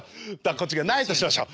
こっちがないとしましょう。